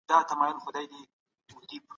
خپل ماشومان د کتاب په ارزښت پوه کړئ.